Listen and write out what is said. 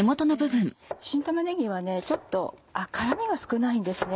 新玉ねぎは辛みが少ないんですね。